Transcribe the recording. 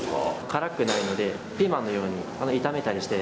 辛くないのでピーマンのように炒めたりして。